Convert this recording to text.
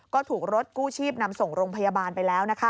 ก็ถูกรถกู้ชีพนำส่งโรงพยาบาลไปแล้ว